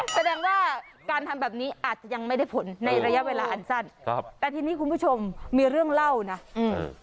แสดงว่าการทำแบบนี้อาจจะยังไม่ได้ผลในระยะเวลาอันสั้นครับแต่ทีนี้คุณผู้ชมมีเรื่องเล่านะอืม